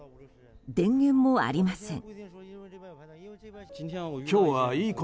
電源もありません。